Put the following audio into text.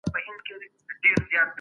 که تمرکز نه وي خطا ډېرېږي.